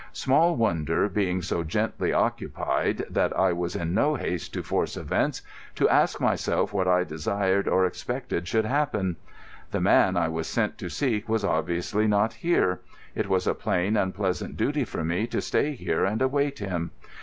Small wonder, being so gently occupied, that I was in no haste to force events, to ask myself what I desired or expected should happen. The man I was sent to seek was obviously not here. It was a plain and pleasant duty for me to stay here and await him.